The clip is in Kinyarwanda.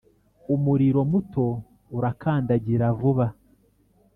umuriro muto urakandagira vuba.